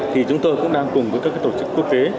thì chúng tôi cũng đang cùng với các tổ chức quốc tế